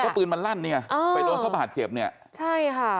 ก็ปืนมันลั่นเนี่ยไปโดนข้อมหาดเจ็บเนี่ยใช่ค่ะ